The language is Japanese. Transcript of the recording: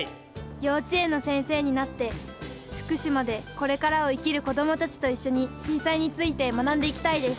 幼稚園の先生になって福島でこれからを生きる子供たちと一緒に震災について学んでいきたいです。